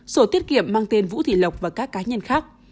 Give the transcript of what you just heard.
sổ tiết kiệm mang tên vũ thị lộc và các cá nhân khác